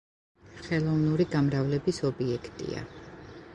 ხელოვნური გამრავლების ობიექტია.